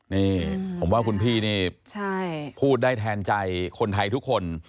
นี่ผมว่าคุณพี่นี่พูดได้แทนใจคนไทยทุกคน